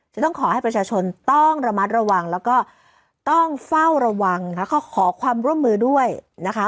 จะต้องขอให้ประชาชนต้องระมัดระวังแล้วก็ต้องเฝ้าระวังแล้วก็ขอความร่วมมือด้วยนะคะ